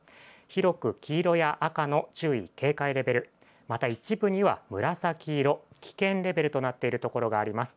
広く黄色や赤の注意、警戒レベル、また、一部には紫色、危険レベルとなっているところがあります。